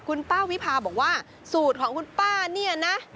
คุณป้าวิพาบอกว่าสูตรของคุณป้าเนี่ยนะ